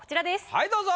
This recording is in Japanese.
はいどうぞ。